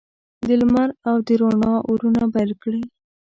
د لمر او د روڼا اورونه بل کړي